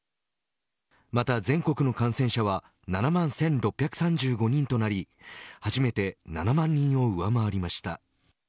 また、全国の感染者は７万１６３５人となり初めて７万人を上回りました。